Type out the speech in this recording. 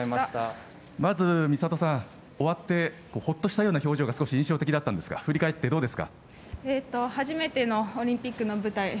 まず、美里さん、終わってほっとしたような表情が少し印象的だったんですが初めてのオリンピックの舞台